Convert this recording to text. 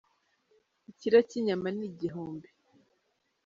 icyiro cyinyama ni igihumbi